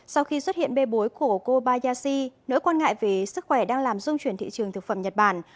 sau khi xuất hiện bê bối của kobayashi nỗi quan ngại về sức khỏe đang làm dung chuyển thị trường thực phẩm nhật bản